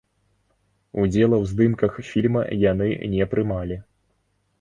Удзела ў здымках фільма яны не прымалі.